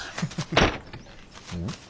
うん？